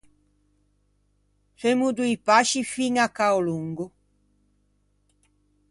Femmo doî pasci fin à Caolongo.